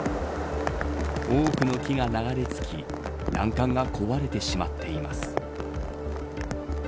多くの木が流れ着き欄干が壊れてしまっています。